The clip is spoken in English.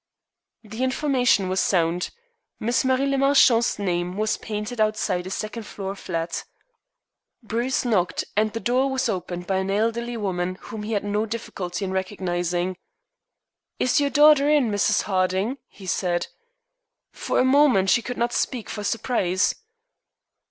The information was sound. Miss Marie le Marchant's name was painted outside a second floor flat. Bruce knocked, and the door was opened by an elderly woman whom he had no difficulty in recognizing. "Is your daughter in, Mrs. Harding?" he said. For a moment she could not speak for surprise.